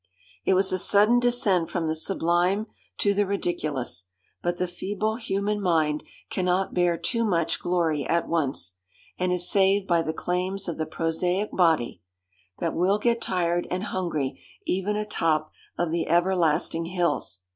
It was a sudden descent from the sublime to the ridiculous; but the feeble human mind cannot bear too much glory at once, and is saved by the claims of the prosaic body, that will get tired and hungry even atop of the everlasting hills.